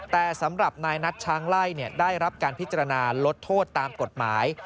แต่สำหรับนายนัดช้างไล่ได้รับการพิจารณาลดโทษตามกฎหมาย